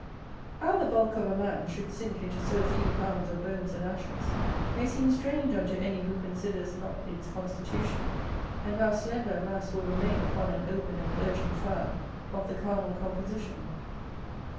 How the bulk of a man should sink into so few pounds of bones and ashes, may seem strange unto any who considers not its constitution, and how slender a mass will remain upon an open and urging fire of the carnal composition.